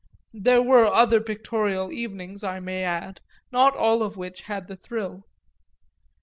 There were other pictorial evenings, I may add, not all of which had the thrill.